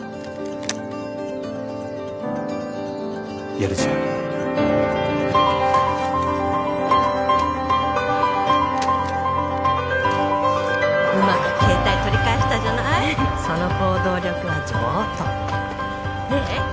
やるじゃんうまく携帯取り返したじゃないその行動力は上等ねえ